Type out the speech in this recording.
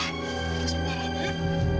tunggu sebentar yawan